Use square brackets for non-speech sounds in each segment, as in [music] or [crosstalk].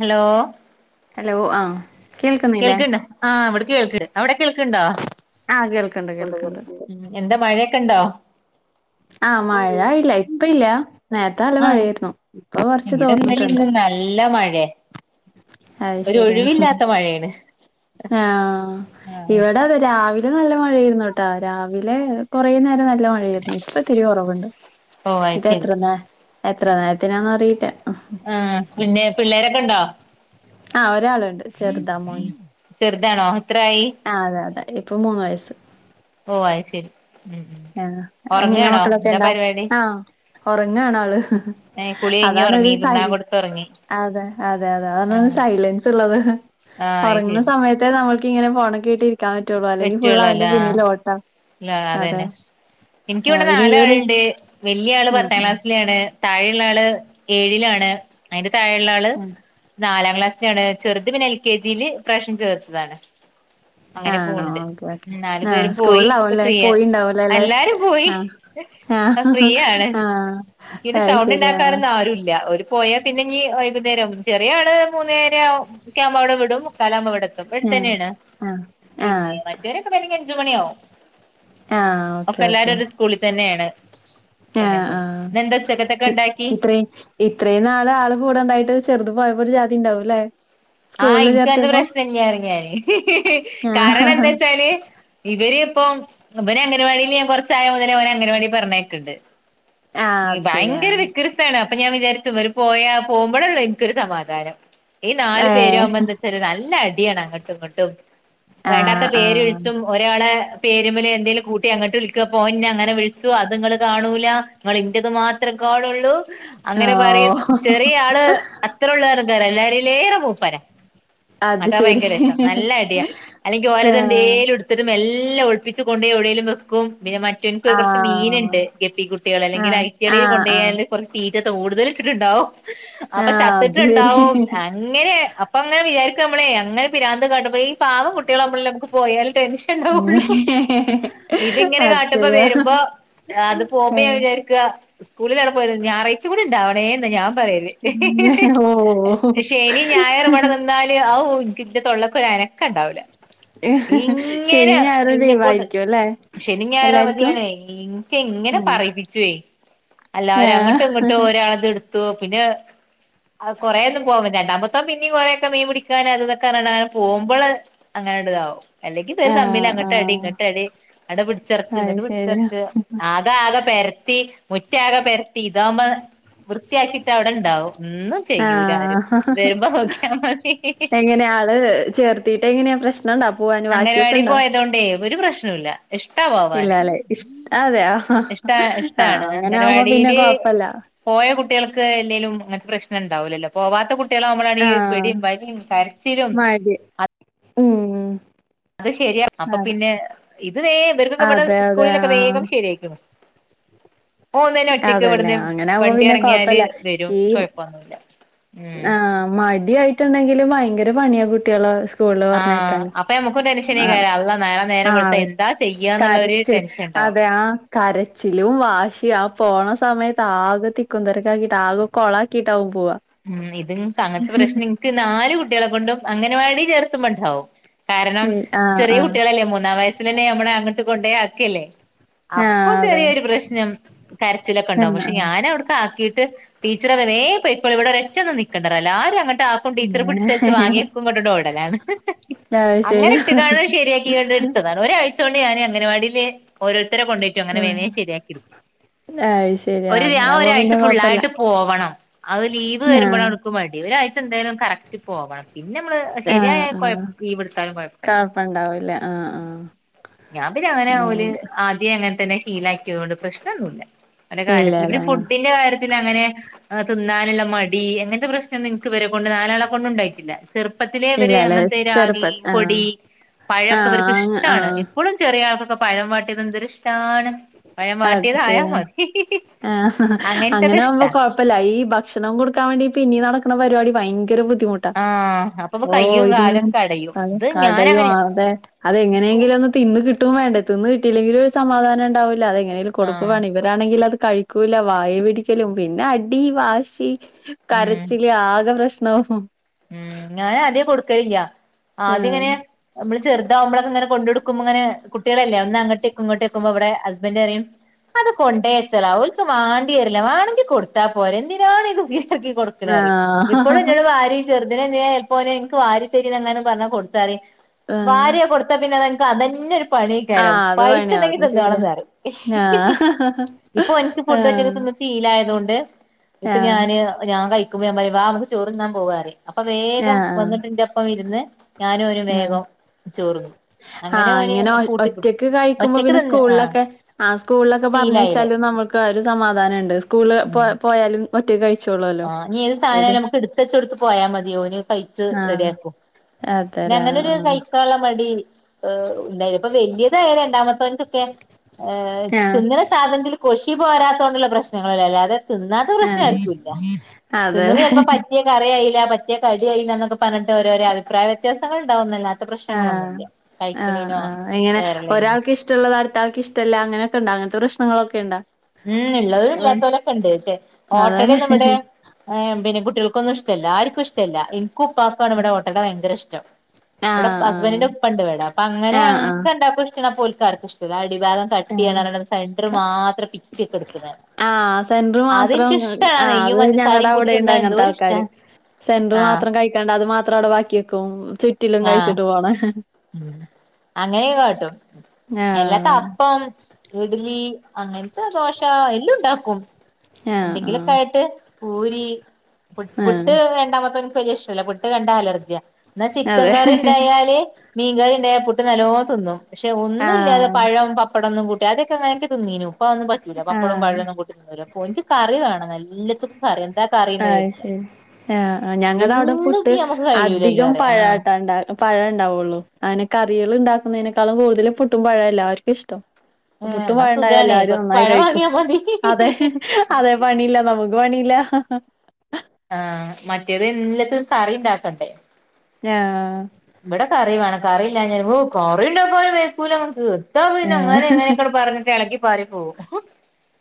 Hello hello ആഹ് കേൾക്കുന്നില്ലേ കേൾക്ക് ഇണ്ടേ ആഹ് ഇവടെ കേൾക്ക്ണ് അവടെ കേൾക്കെ ഇണ്ടോ ആഹ് കേൾക്കണ്ട് കൊണ്ടേ കേൾക്കണ്ട് കൊടുക്കണ്ട് എന്താ മഴയൊക്കെ ഒണ്ടോ ആഹ് മഴ ഇല്ല ഇപ്പാ ഇല്ല നേരത്തെ നല്ലാ ആഹ് മഴയാരുന്നു ഇപ്പൊ കൊറച്ച് തോർന്നട്ട് ഒണ്ട് നല്ലാ മഴയാ അത് ഒര് ശരിയാ ഒഴിവില്ല്യാത്ത മഴാണ് ആഹ് ഇവടെ അത് രാവി ലെ നല്ല മഴായര്ന്നു കേട്ടാ രാവിലെ കൊറേ നേരം നല്ലാ മ ഴാര്ന്ന് ഇപ്പാ ഇത്തിരി കൊറവോണ്ട് ഓ അത് ഇത് ശരി എത്ര നേ എത്ര നേരത്തിനാ എന്ന് അറിയില്ലാ ആഹ് പിന്നെ പിള്ളേരൊക്കെ ഒണ്ടോ ആഹ് ഒരാളോണ്ട് ചെറുതാ മോന് ചെറ്താണോ എത്രാ ആയി ആഹ് അതെ അതെ ഇപ്പൊ മൂന്ന് വയസ്സ് ഓ ആയ് ശെരി ആഹ് എങ്ങനെയാ മക്കളൊക്കെ എന്താ എണ്ടോ പരിപാടി ആഹ് ഒറങ്ങണ് അള് ഏഹ് കുളി കഴിഞ്ഞ് അതാണ് ഉറങ്ങി ഒര് സൈ തിന്നാൻ കൊടുത്ത് ഉറങ്ങി അതെ അതെ അതെ ആഹ് സൈലൻസ് ഇള്ളത് ആഹ് അത് ശരി ഒറങ്ങ്ന്നാ സമയത്തെ നമ്മള് ഇങ്ങനെ ഫോണൊക്കെ ആയിട്ട് ഇരിക്ക്യാൻ പറ്റുള്ളു അല്ലെങ്കി ഫുള്ള് അവന്റെ പിന്നില് ബെറ്റുകളല്ല ഓട്ടം അതെ എനിക്ക ആ, ഇവടെ പിന്നെ ഈ നാലാള് ഒരു ഇണ്ടേ വല്ല്യയാ ആള് ഉം പത്താം ഉം ക്ലാസ്സിലാണ് താഴെ ഒള്ള ആള് ഏഴിലാണ് അയിന്റെ താഴെ ഒള്ള ആള് ഉം നാലാം ക്ലാസ്സിലാണ് ചെറുത് പിന്നെ എൽ കെ ജില് ഈ പ്രാവ്ശ്യം ചേർത്തതാണ് അങ്ങനെ ആണോ പോണ്ട് ഓക്കെ ഓക്കെ നാല് ആ പേരും പോയി ഇപ്പേ സ്കൂളിലാവുംല്ലേ ഫ്രീ പോയിണ്ടാവൂലേ എല്ലാരും പോയി ആ ആ ഇപ്പേ ഫ്രീയാണ് ആ എനിക്ക് പിന്നെ അത് സൗണ്ട് ശരി ആ ഇണ്ടാക്കാനൊന്നും ആരും ഇല്ല ഒര് പോയാ പിന്നെ ഇനി വൈക്ന്നേരം ചെറിയ ആള് മൂന്നേരെ എക്കേ ആമ്പേ അവടെ വിടും മുക്കാലാവ്മ്പോ ഇവടെ എ ആ ത്തുംതന്നെയാണ് ആ ആ പിന്നെ അടുത്ത. മറ്റരൊക്കെ വെരല്ലെങ്കി അഞ്ച് മണി ആവും ആ ഓക്കെ ഒക്കെ എല്ലാരും ഓക്കെ ഒര് സ്കൂളി തന്നെ ആണ് ആ അപ്പേ അങ്ങനെ ആ പോണ് ഇന്ന് ഉച്ചത്തൊക്കെ ഇ- ഒണ്ടാക്കി ഇത്രയും ഇത്രയും നാള് ആള് കൂടെ ഒണ്ടായിട്ട് ചെറുത് പോയപ്പോ ഒര് ജാതി ഇണ്ടാവും അല്ലേ ആഹ് എനക്ക് പ്രശ്നം [unintelligible] ആഹ് ആഹ് അത് ശരി ആഹ് ഏഹ് കാരണം എന്താ വെച്ചാല് ഇവരെ ഇപ്പം ഇവര് അംഗൻവാടില് ഞാൻ കൊറച്ച് ആയ മുതലേ അവനേ അംഗൻവാടി പറഞ്ഞ് അയ്ക്ക് ഇണ്ട് നീ ബയങ്കര വിക്റ് ത്തെ അപ്പൊ ഞാൻ വിചാരിച്ചും ഇവര് പോയാ പോമ്പോഴല്ലോ എനിക്കൊര് സമാധാനം ഈ നാലും നല്ല അടിയാണ് അങ്ങാട്ടും ഇങ്ങാട്ടും വേണ്ടാത്തെ ആഹ് പേര് വിളി ആഹ് ച്ചും ഒരാളെ പേരുമ്പല് എന്തെങ്കലും കൂട്ടി അങ്ങട്ട് വിളിക്കം അപ്പേ ഒന് എന്നെ അങ്ങനെ വിളിച്ചു അത് ഇങ്ങള് കാണൂലാ നിങ്ങള് എന്റെയെത് മാത്രേ കാണുളളു അങ്ങനെ പറയും ഓഹ് ചെറിയ ആള് അത്ര ഒള്ള് കാര്യല്ല എല്ലാരില് എറെ മുപ്പാരാ അത് അതാ ശരി പയങ്കര രെസം നല്ല അടിയാ അല്ലെങ്കി ഓല് ആഹ് എന്തേലും എടു ട്ത്ത്ട്ട് മെല്ലാം ഒളിപ്പിച്ച് കൊണ്ടേ എവ്ടെലും വെക്കും പിന്നെ മറ്റ് [unintelligible] എനിക്ക് കൊറച്ച് മീന് ആഹ് ഇണ്ട് ഗെപ്പി കുട്ടിള് അല്ലെങ്കി ആഹ് അയ്റ്റള് ആഹ് ആഹ് കൊണ്ട്‌യാല് കൊറച്ച് തീറ്റ കൂടുതല് ഇട്ട് ഒണ്ടാവും അപ്പാ ആഹ് ചത്തിട്ട് അത് ശരി ഇണ്ടാവും അങ്ങനെ അപ്പൊ അങ്ങനെ വിചാരിക്കും നമ്മളെ അങ്ങനെ പിരാന്ത് കാട്ട്മ്പം ഈ പാവം കുട്ടിളെ നമ്മളേ പോയല് ടെൻഷ ൻ ഉം. ഇണ്ടാവേള്ളു ഇത് ഇങ്ങനെ അത് കാട്ട്മ്പോ ശരിയാ വെര്മ്പോ അത് പോമ്പോ ഞാൻ ഏഹ് വിചാ ക്കാ സ്കൂളിലാണ് പോയത് ഞായറഴ ച്ചു ഇണ്ടാ വെണേന്ന് ഞാൻ പറയല് ഓഹ് ശനിയും ഞായറും എന്നാല് ആവു എന്റെ തൊള്ളക്കൊര അനക്കം ഇണ്ടാവില്ലാ ഇങ്ങേനെ ശനി ഞായറും എന്നേക്കൊണ്ട് ലീവായിരിക്കും അല്ലേ ശനി എല്ലാർക്കും ഞായറാവധിയാണ് ഇനിക്ക് എങ്ങനെ ഉം പറയിപ്പ അല്ലരും ആഹ് അങ്ങട്ടും ഇങ്ങോട്ടും ഒരാളത് എടു പിന്നെ കൊറേൊന്നും പോവ രണ്ടാമത്തോ പിന്നെ കുറെയൊക്കെ മീൻ പിടിക്കാനൻ അതൊക്കെ നടൻ പോകുമ്പോള് അങ്ങനെണ്ട് താവും അല്ലെങ്കി ഇതൊ ഒരു തമില്ല ആഹ് അങ്ങട്ടടി ആഹ് ഇങ്ങട്ടടി അവിടെ പിടിച്ചെറച്ച് അത് ഇങ്ങോട്ട് ശരിയാ പിടിച്ചിറച്ച് ആഹ് ഇതാകെ പെരത്തി മുറ്റ ആകെ പെരത്തി ഇതാകുമ്പോ വൃത്തിയാക്കിട്ട് അവിടെ ഇണ്ടാവുംന്ന് ഒന്നും ചെയ്യൂല ആരും ആഹ് വരുമ്പോ നോക്കിയാ മതി ഇങ്ങനെ ആള് ചേർത്തിട്ട് എങ്ങനെയാ പ്രശ്നംണ്ടാ പോവാന് വാശിയൊക്കെ ഉണ്ടാ ണ്ടേ ഒരു പ്രശ്നുല്ല ഇല്ലല്ലേ ഇഷ അതെയ ആഹ് ഇഷ്ട ഇഷ്ടാണ് അങ്ങനെ ആവുമ്പോ പിന്നെ അംഗനവാടിയില് കൊഴപ്പല്ല പോയ കുട്ടികൾക്ക് എന്തെങ്കലും അങ്ങനത്തെ പ്രശ്നം ഉണ്ടാവലല്ലോ പോവാത്ത കു കുട്ട്യാനമ്മളണ ഈ ആഹ് പിടിം വലിം കരച്ചിലും ഉം ഉം അത് ശരിയാ അപ്പൊ അതെ പിന്നെ ഇത് വേ ഇവർക്കൊക്കെ ഇവിടെ അതെ അതെ സ്കൂളിലൊക്കെ ആഹ് വേഗം ശരിയായിക്കണ് ഓൻ ഒന്നും ഒറ്റക്ക് അതെല്ലേ ഇവിടുന്ന് അങ്ങനെ ആവുമ്പോ വണ്ടി പിന്നെ ഇറങ്ങിയാല് കൊഴപ്പല്ല വരും ഈ കുഴപ്പൊന്നുല്ല ആഹ് മടിയായിട്ടുണ്ടെങ്കിൽ ഭയങ്കര പണിയാ കുട്ടികളോ ആഹ് അപ്പൊ നമ്മുക്കൊരു ടെൻഷന കാര്യം അല്ല നേര നേരം വെളുത്ത ആഹ് എന്താ ചെയ്യന്നുള്ള ഒരു കരച്ചില് ടെൻഷൻ ഉണ്ടാവും അതെ ആഹ് കരച്ചിലും വാശിയും ആ പോണ സമയത്ത് ആകെ തിക്കുന്തരക്ക ആക്കിട്ട് ആകെ കൊള ആക്കിയിട്ടവും പോവാ ഉം ഇത് അങ്ങനത്തെ പ്രശ്നം ഇനിക്ക് നാല് കുട്ടികളെ കൊണ്ടും അങ്ങനെ വാടി ചേർത്തുമ്പോ ഉണ്ടാവും കാരണം ആഹ് ചെറിയ ആഹ് കുട്ടികളല്ലേ മൂന്നാം വയസ്സൽ തന്നെ നമ്മളങ്ങോട്ട് കൊണ്ട ആക്കല്ലേ അപ്പൊ ആഹ് അതെ ചെറിയൊരു പ്രശ്നം കരച്ചിലൊക്കെ ഉണ്ടാകും എന്നാ പക്ഷെ ഞൻ അവിടക്ക ആക്കിട്ട് ടീച്ചററി വേ പോയിക്കോളി ഇവടെരോറ്റൊന്നും നിക്കണ്ട എല്ലാരും അങ്ങട്ട ടീച്ചർ പിടിച്ചലച്ച് വാങ്ങിക്കുമ്പോടെ ഓടലാണ് അത് അങ്ങനെ ശരിയാ ഇട്ട് കാണൻ ശരിയാക്കിണ്ട് എടുത്തതാണ് ഒരാഴ്ച കൊണ്ട് ഞാാന് അംഗൻവാടിയില് ഓരരുത്തരെ കൊണ്ടയിട്ട് അങ്ങനെ ആ, വേനയും ശരിയാക്കിരിക്കും അത് ശരി ഒരു ഞാൻ അങ്ങനാവുമ്പോ ഒരാഴ്ച പിന്നെ കൊഴപ്പല്ല ഫുള്ളായിട്ട് പോവണം അത് ലീവ് വരുമ്പോഴ ആഹ് അവനുക്ക് മടി ഒരാഴ്ച എന്തായാലും കറക്റ്റ് പോകണം പിന്നെ നമ്മള് ശരിയായ ആഹ് കൊഴ ആഹ് ഈവിടുത്താലും കൊഴപ്പല്ല കൊഴപ്പണ്ടാവൂല്ല ആഹ് ആഹ് ഞാൻ പിന്നെ അങ്ങനെ ആവല് ആ അങ്ങനെന്നെ ശീലാക്കിയ കൊണ്ട് പ്രശ്നൊന്നല്ല കാര്ത്തി ഇല്ലല്ലേ ആഹ് ഫുഡിന്റെ കാര്യത്തി അങ്ങനെ തിന്നാനുള്ള മടി അങ്ങനത്തെ പ്രശ്നം ഇൻക്ക് വരെ കൊണ്ട് നാലാളെ കൊണ്ട് ഉണ്ടായിട്ടില്ല ചെറുപ്പത്തിലെ അവര് ഇല്ലല്ലേ അങ്ങനത്തെ ചെറുപ്പ രാഗി ആഹ് പൊടി പഴമൊക്കെ അവർക്ക് ആഹ് ഇഷ്ട്ടാണ് ആഹ് ഇപ്പഴും ചെറിയ ആൾക്കൊക്കെ പഴം വാട്ടിയത് എന്തെരു ഇഷ്ട്ടാണ് പഴ അത് മാട്ടിയത്യ ആയ ശരിയാണ് മതി അങ്ങനത്തൊക്കെ ഇഷ്ടാ അപ്പല്ല ഈ ഭക്ഷണം കൊടുക്കാൻ വേണ്ടി പിന്നീ നടക്കുന്ന പരിപാടി ഭയങ്കര ബുദ്ധിമുട്ട് ആഹ് അപ്പപ്പൊ ഓഹ് കയ്യും ഇതിങ്ങ കാലൊക്കെ കടയും അ ഇത് കടയും ഞാനങ്ങനെ അതെ അതെങ്ങനെയെങ്കിലും ഒന്ന് തിന്ന് കിട്ടും വേണ്ട തിന്ന് കിട്ടെല്ലെങ്കിൽ ഒരു സമാധാനണ്ടാവില്ല അതെങ്ങനെനെും കൊടുപ്പ് ആഹ് പണി ആണെങ്കിൽ അത് കഴിക്കൂല വായ പിടിക്കലും പിന്നെ അടി വാശി ഉം കരച്ചില് ആകെ പ്രശ്നവും ഉം ഞാൻ ആദ്യ കൊടുക്കലില്ല ആഹ് ആദ്യങ്ങനെ നമ്മള് ചെറുതാവുമ്പോൊക്കെങ്ങന കൊണ്ടോടടുക്കുമ്പോ ങ്ങെനെ കുട്ടികളല്ല ഒന്ന് അങ്ങട്ട ഇങ്ങോട്ട്ക്കുമ്പോ അവിടെ ഹസ്ബൻഡ് അറിയും അത് കൊണ്ടേ വച്ചളാ അവഓർക്ക് വാണ്ടി വരില്ല വാണെങ്കി കൊടുത്താ പോരെ എന്തിനാണ് ഇത് തിരുകി കൊടു [unintelligible] ഇപ്പോഴും ആഹ് ഞങ്ങള് വാരി ചെറ്ദിനന്നെൽപ്പോര് എനിക്ക് വാരി തരിന്ന് എങ്ങനും പറഞ്ഞ കൊടുത്താര് ആഹ് വാര്യ കൊടുത്താ പിന്നെ അതന്നെ. ക്കതന്നെരു. ആ പണിക്കാരം അത് പണിയാ പഴിച്ചുണ്ടെങ്കി അത് ശരിയാ തിന്നാണന്ന്റിയും. ആഹ് ഇപ്പൊ എനിക്ക് ഫുഡ്റ്റ ആഹ് തിന്നി ഫീലായതുകൊണ്ട് ഇപ്പൊ ആഹ് ഞാന് ഞാൻ കഴിക്കുമ്പോ ഞാ പറയ വാ നമ്മുക്ക് ചോറ്ന്നാൻ പോകറയും. അപ്പൊ വേഗം ആഹ് വന്നിട്ടിന്റെപ്പം ഇരുന്ന് ഞാനും ഒരു ആഹ് വേഗം ചോർന്നു. ആഹ് ഇങ്ങനെ ഒ ഒറ്റക്ക് കഴിക്കുമ്പോ ഒറ്റക്ക് പിന്നെ തിന്ന് ആഹ് സ്കൂളിലൊക്കെ ആ സ്കൂളിലൊക്കെ പറഞ്ഞ് ശീലായില്ലേ വെച്ചാല് നമ്മക്ക്. ഒരു സമാധാനണ്ട് സ്കൂള് പോ ഉം പോയാല്. ഒറ്റക്ക് കഴിച്ചോളും. ആഹ് ഇഞ്ഞി ഏത് സാധനായാലും നമുക്ക് എടുത്തെച്ചോടുത്ത് പോയാ മതി ഓന് തയിച്ച് ആഹ് റെഡിയാക്കും. പിന്നെ അതെല്ലേ അങ്ങനൊരു ആഹ് തയ്ക്കാനുള്ളമടി ഓ ഉണ്ടായിത് ഇപ്പോ വല്ലിതായ രണ്ടാമത്തവൻ. ക്കാൻ അ ആഹ് തിന്നണസാധനത്തിൽ കൊഷി പോരാത്തകൊണ്ടുള്ള പ്രശ്നങ്ങളല്ലേ അല്ലാതെ. തിന്നാത്തപ്രശ്നം ആഹ് ആർക്കുല്ല. തിന്നത് അതെല്ലേ ചിലപ്പോ പറ്റിയ കറി ആയില്ല പറ്റിയ കടിയായില്ല എന്നൊക്കെ പറഞ്ഞിട്ട് ഓരോരോ അഭിപ്രായ വ്യത്യാസങ്ങൾണ്ടാവുന്നല്ല. ആഹ്, ആഹ്, ആഹ് എങ്ങനെ കേറളീനോ ഒരാൾക്ക് ഇഷ് ഇഷ്ടള്ളത് അടുതാൾക്ക് ഇഷ്ടയില്ല അങ്ങനെയൊക്കെണ്ട അങ്ങനത്തെ പ്രശ്നങ്ങളൊക്കെണ്ട. ഉം ഇള്ളതും ഇല്ലാത്തോലൊക്കെ ഉണ്ട് ക്ഷേ ഓട്ടട അതേല്ലേ നമ്മടെ. ഏ പിന്നെ കുട്ടികൾക്കൊന്നും ഇഷ്ടല്ല ആർക്കും ഇഷ്ടല്ല എനിക്കും ഉപ്പാപ്പാണ് ഇവിടെ ഓട്ടട ഭയങ്കര ഇഷ്ടം. ഇവിടെ ആഹ് ആഹ് ഹസ്ബന്റിന്റെ ഉപ്പണ്ട് ഇവടെ അപ്പോ അങ്ങനെ ആഹ് ഞങ്ങക്ക് രണ്ടാക്കും ഇഷ്ടള്ള പോൽക്കാർക്കും ഇഷ് അടിഭാഗം ആഹ് കട്ടിയാണറഞ്ഞിട്ട് അത് സെന്റർ ആഹ് മാത്രം പിച്ചിയക്കടുക്കണ കാണാം. ആഹ് സെന്ററ് മാത്രംയിങ്ങ ആഹ് നെയ്യും അത് ഞങ്ങട പഞ്ചസാരയും കൂട്ടി അവിടെണ്ട് തിന്നാൻ അങ്ങനത്തെ എന്തോരിഷ്ടാ ആൾക്കാര്. സെന്റർ ആഹ് മാത്രം കഴിക്കാണ്ട് അത് മാത്രം അവിടെ ബാക്കിവെക്കും മ് ചുറ്റിലും കഴിച്ചിട്ട് പോണ. അങ്ങനെ കാട്ടും ആഹ് എല്ലാത്തപ്പം പ്പം ഇഡ്ലി അങ്ങനത്തെ ദോശ എല്ലാം ഉണ്ടാക്കും. ആഹ് എന്തെങ്കിലു ആഹ് ലായിട്ട് പൂരി, പുട്ട് ആഹ് വേണ്ട മക്കക്ക് വല്യായിഷ്ടയില്ല പുട്ട്. ട്ട്കണ്ട അലർജിയ. എന്നാ ചിക്കൻ അതെ കറി ഉണ്ടായാല് മീൻകറി ഉണ്ടായ പുട്ട് നലോ തിന്നും. പക്ഷെ ഒന്നുല്ലാതെ ആഹ് പഴവും പപ്പടൊന്നും കൂട്ടി അതൊക്കെങ്ങനക്കെ തിന്നിനു. ഇപ്പൊന്നും പറ്റൂല പപ്പടോം ആഹ് പഴൊന്നും കൂട്ടിതിന്നുല ഓൻക്ക് കറി വേണം. നല്ലത്തും. അത് ശരി ആഹ് ഞങ്ങളടെ എന്നും പുട്ട് ഇപ്പ നമുക്ക് കഴിയൂലല്ലോ അധികം പറയാ ആഹ് പഴാട്ടാണ്ട പഴം ഉണ്ടാവുള്ളൂ അങ്ങനെ കറികൾ ഉണ്ടാക്കുന്നതിനെക്കാളും കൂടുതലും പുട്ടും പഴവുംല്ലാവർക്കും ഇഷ്ടം. ഏഹ് പുട്ടും എന്നാ പാഴവുണ്ടായ സുഖാണേ എല്ലാരും കൊറച്ച് നന്നായി പഴം കഴിക്കും. വാങ്ങിയാ മതി അതെ. അതെ പണിയില്ല നമുക്ക് പണിയില്ല. ആഹാ മറ്റേത് എല്ലാത്തിനും കറി ഉണ്ടാക്കണ്ടേ. ഞാ ഇവിടെ കറി വേണം കറിയില്ലഞപ്പോ ഉകറിയില്ലപോ വെക്കുലന്ന് പറയും. ഇതാ പിന്നെ അങ്ങനെ ആഹ് എങ്ങനെക്കെട് പറഞ്ഞിട്ട് എളക്കി പാറി പോവും.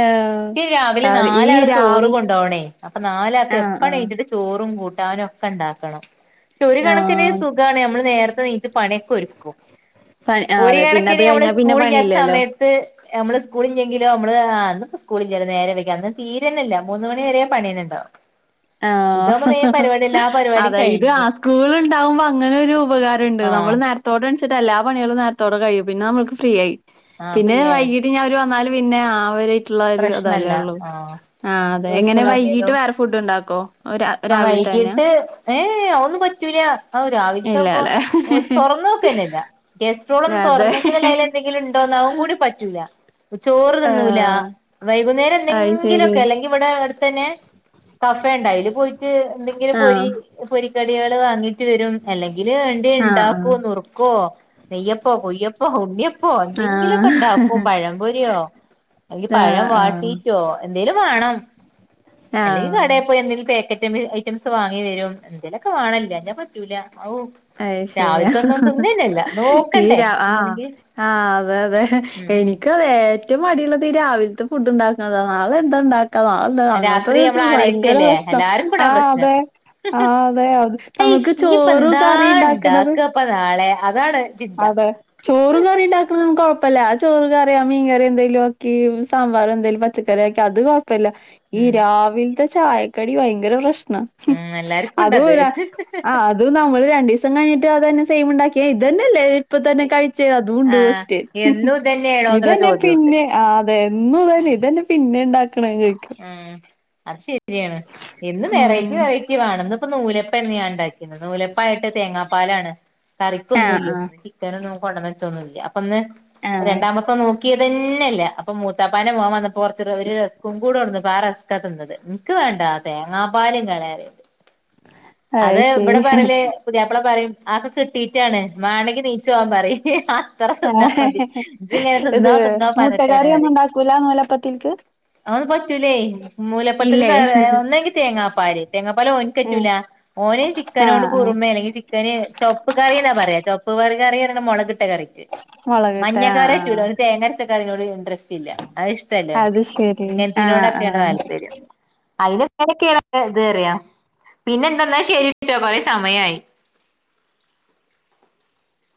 ആഹ് ഈ രാവിലെ കറി ഈ നാലാള് ചോറ് രാവി കൊണ്ടോണേ അപ്പൊ നാലാത്ത് ആഹ് ആഹ് എപ്പഴയെറ്റ്ച്ച് ചോറും കൂട്ടാനൊക്കെ ഇണ്ടാക്കണം ക്ഷെ ഒരു കണക്കിന് ആഹ് സു ഖാണ് നമ്മള് നേരത്തെ എണിറ്റ് പണിയൊക്കെ ഒരുക്കും പണി ആഹ് ഒരു അതെ പിന്നെ അത് കണക്കിന് നമ്മള് കഴിഞ്ഞാ പിന്നെ സ്കൂളില്ലാത്ത പണിയില്ലല്ലോ സമയ പേ. നമ്മള് സ്കൂളില്ലെങ്കിലോ നമ്മള് ആഹ് ഇന്നിപ്പ സ്‌കൂളില്ല നേരെ വെക്കാം അന്ന് തിരന്നല്ല മൂന്ന് മണി വരെ പണി തന്നെയുണ്ടാവ. [inaudible] ആഹാ അതാഇത് കഴിഞ്ഞ് ആസ് സ്കൂള് ഉണ്ടാവുമ്പോ അങ്ങനെ ഒരു ഉപകാരം ഉണ്ട് നമ്മള് ആഹ് നേ തൊടണ്ച്ചിട്ട് എല്ലാ പണികളും നേരത്തോടെ കഴിയും. പിന്നെ നമ്മൾക്ക് ഫ്രീ ആയി ആഹ് പിന്നെ ഫ്രീ ആയി വൈകിട്ട് ഇഞ്ഞി അവര് വന്നാല്. പിന്നെ ആവരായിട്ട്ള്ള [unintelligible] പ്രശ്നല്ല ഇതല്ലേള്ളൂ ആഹ് ആഹ് അതെ എങ്ങനെ ഓര്ക്കുള്ള വൈകിട്ട് വെറേ സ് ഫുഡ് ണ്ടാക്കോ? ആഹ് വൈകിട്ട് ഏഹ് ഏഹ് അതൊന്നും പറ്റൂല അഹ് ഇല്ല രാവില്ത്തെപ്പോ അല്ലെ ഓര് തൊറനോക്കനെല്ല. ഗസ്ട്രോളൊന്ന് അതെ തൊർന്നെങ്കിലല്ലെ അയ്‌ല് എന്തെങ്കിലുണ്ടോന്ന് അതും കൂടി പറ്റൂല്ല. ചോറ് തിന്നൂല ആഹ് വൈകുന്നേരം അത് ശരി എന്തെങ്കിലൊക്കെ അല്ലെങ്കി ഇവടെ അട്ത്തെന്നെ കഫേണ്ട് അയ്ല് പോയിട്ട് എന്തെങ്കിലും ആഹ് പൊരി പൊരിക്കടികള് വാങ്ങിട്ട് വരും അല്ലെങ്കില് ആഹ് എന്തേണ്ടാക്കും നുറുക്കോ നെയ്യപ്പോ പോയ്യപ്പോ ഉണിയ പ്പോ ആഹ് എന്തെങ്കിലൊക്കെണ്ടാക്കും ആഹ് പഴംപൊര്യോ അലങ്കി ആഹ് പഴം വാട്ടീറ്റോ എന്തേലും വാണം ആഹ് അല്ലെങ്കി കടേ ആഹ് പോയി എന്തെങ്കിലും പേക്ക [unintelligible] ഐറ്റംസ് വാങ്ങി വരും എന്തേലൊക്കെ വാണം ഇല്ലഞാ പറ്റൂല ഔ. അയ് ശെര്യാ രാവിലത്തൊന്നും തിന്നന്നെല്ല ഈ നോക്കണ്ടേ ര ആഹ് തിന്നണെങ്കിൽ ആഹ് അതെയതെ ഉം എനിക്കതെ ഏറ്റും മടിള്ളത് രാവിൽത്തെ ഫുഡ് ണ്ടാക്ക്ണത നാളെ എന്താണ്ടാക്കാ നാളെ ന്താ രാത്രി അങ്ങൻത്തൊരുത് നമ്മൾ ഭയങ്കര ആലോചിക്കല്ലേ പ്രശ്ന എല്ലാർക്കും അതാ ആഹ് പ്രശ്നം അതെ. ആഹ് അതെ അത് ഞമ്മക്ക് ചോറും കറി ണ്ടാക്ക്ണത് പ്പ നാളെ അതാണ്. ചിന്ത അടെ. ചോറും കറി ണ്ടാക്ക്ണൊന്നു കൊഴപ്പല്ല ആ ചോറും കറി ആ മീൻകറി എന്തേങ്കിലു ആക്കി സാമ്പാറെന്തേലും പ ച്ചക്കറിയക്കി അത് കൊഴപ്പല്ല ഈ ഉം രാവിൽത്തെ ചായക്കടി ഭയങ്കര പ്രശ്ന. ഉം എല്ലാർക്കും ഉണ്ടത് അത്‌പോരാ ആഹ് അ ത് നമ്മള് രണ്ടീസം കഴിട്ട് അത്തന്നെ സെയ്മ്ണ്ടാക്ക്യാ ഇതന്നെല്ലേ ഇപ്പ തന്നെ കഴിച്ച് അതുണ്ട് ആഹ് ഫസ്റ്റ് എന്നും ഇതന്നെയാണോ എന്നുള്ള ഇതെന്നെ ചോദ്യമുണ്ട് പിന്നെ ആഹ് അതെ എന്നു തെന്നെ ഇതെന്നെ പിന്നെണ്ടാ ഉം അത് ശെര്യാണ്. എന്നും വെറൈറ്റി ഉം വെറൈറ്റി വേണം ഇന്ന് പ്പം നൂലപ്പെന്ന്യാണ്ടാക്ക്ന്നത് നൂലപ്പായിട്ട് തേങ്ങാപ്പാലാണ്. ആ കറിക്കൊന്നുല്ല ആ ചിക്കനൊന്നു കൊണ്ടന്നെച്ചൊന്നുല്ല അപ്പൊന്ന് ആ രണ്ടാമത്തെ നോക്ക്യ തെന്നെല്ല അപ്പൊ മൂത്താപ്പാന്റെ മോൻ വന്നപ്പോ കൊറ്ച്ച് റ് ഒര് കൂടൊട്ന്ന് പാ റസ്കാ തിന്നത് ഇൻക്ക് വേണ്ടാ തേങ്ങാപ്പാല്ങ്ങളെ അത് ഇബടെ പറ്യല് പുതിയാപ്പള പറയിം ആക്കെ കിട്ടീട്ടാണ് മാണെങ്കി നീ ച്ചോവാൻ പറയ്. ത്തറ തിന്നാ മതി ഇജ് ങ്ങനെ ഇത് തിന്നോ തിന്നോ മുട്ടക്കറി ഒന്നും പർഞ്ഞിട്ടാണാറിം. ഉണ്ടാക്കൂല നൂലപ്പത്തിൽക്ക് അതൊന്നും പറ്റൂലേയ് നൂലപ്പത്ത്ക്ക് ഇല്ലേ ക ഒന്നെങ്കി തേങ്ങാപ്പാല് ഉം തേങ്ങാപ്പാലോൻകറ്റൂല ഓന് ആ ചിക്കനോട് ആ കുറുമെ അല്ലെങ്കി ചിക്കന് ചൊവപ്പ് കറിന്നാ പറയാ ചൊവപ്പ് പറി കറ്യാർണെ മൊളക് ട്ടകറിക്ക് മുളകിട്ടെ ആ ആ മഞ്ഞക്കറ്യറ്റൂല ഓന് തേങ്ങരച്ചക്കറിനോട് ഇൻട്രസ് റ്റ്ല്ല അത് അത് ഇഷ്ടല്ലോൻക്ക് ശരി ആ ഇങ്ങൻത്തീനോടൊക്കെണ് ആ താല്പര്യം. അതിന് [unintelligible] ത് റ്യാ പിന്നെന്തെ ന്നാ ശെരിട്ടോ കൊറെ സമയായി.